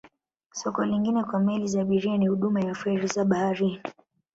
Soko lingine kwa meli za abiria ni huduma ya feri za baharini.